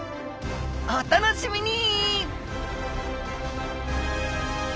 お楽しみに！